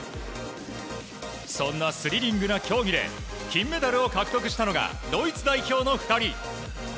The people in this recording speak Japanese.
そんなスリリングな競技で、金メダルを獲得したのがドイツ代表の２人。